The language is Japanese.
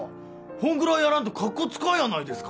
ほんぐらいやらんとカッコつかんやないですか・